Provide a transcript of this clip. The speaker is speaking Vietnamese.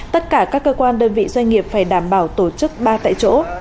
tất cả các cơ quan đơn vị doanh nghiệp phải đảm bảo tổ chức ba tại chỗ